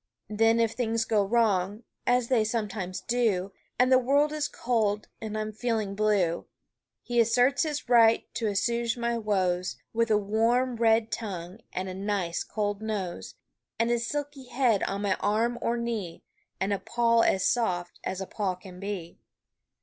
Then if things go wrong, as they sometimes do, And the world is cold, and I'm feeling blue, He asserts his right to assuage my woes With a warm, red tongue and a nice, cold nose, And a silky head on my arm or knee, And a paw as soft as a paw can be.